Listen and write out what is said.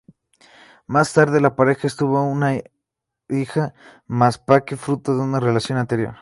Más tarde, la pareja tuvo una hija, Maddie Pasquale, fruto de una relación anterior.